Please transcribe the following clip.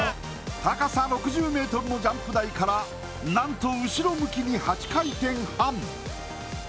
高さ６０ｍのジャンプ台から後ろ向きに８回転半。